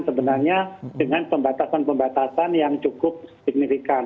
sebenarnya dengan pembatasan pembatasan yang cukup signifikan